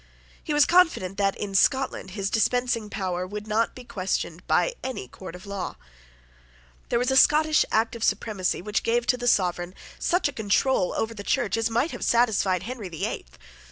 He was confident that, in Scotland, his dispensing power would not be questioned by any court of law. There was a Scottish Act of Supremacy which gave to the sovereign such a control over the Church as might have satisfied Henry the Eighth.